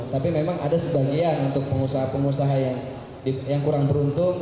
tapi memang ada sebagian untuk pengusaha pengusaha yang kurang beruntung